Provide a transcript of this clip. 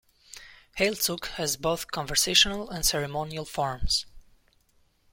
Heiltsuk has both conversational and ceremonial forms.